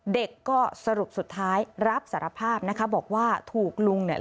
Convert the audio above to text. เด็กก็สรุปสุดท้ายรับสารภาพนะคะบอกว่าถูกลุงเนี่ย